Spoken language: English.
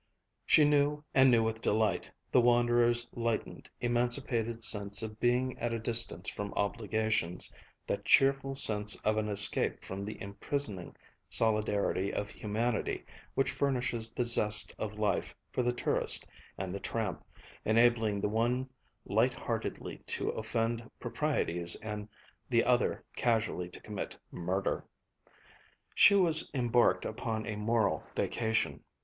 She knew, and knew with delight, the wanderer's lightened, emancipated sense of being at a distance from obligations, that cheerful sense of an escape from the emprisoning solidarity of humanity which furnishes the zest of life for the tourist and the tramp, enabling the one light heartedly to offend proprieties and the other casually to commit murder. She was embarked upon a moral vacation.